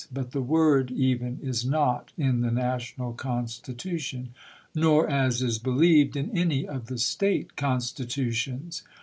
but the word, even, is not in the national Constitution ; nor, as is believed, in any of the State constitutions.